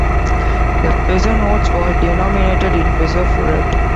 The peso notes were denominated in "peso fuerte".